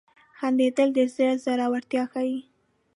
• خندېدل د زړه زړورتیا ښيي.